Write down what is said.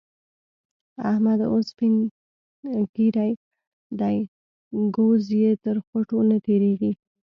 احمد اوس سپين ږير دی؛ ګوز يې تر خوټو نه تېرېږي.